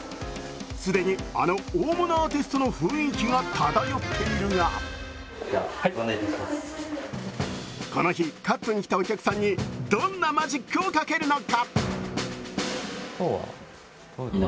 既に、あの大物アーティストの雰囲気が漂っているがこの日、カットに来たお客さんにどんなマジックをかけるのか。